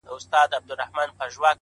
نیکه جانه د جانان غمو خراب کړم-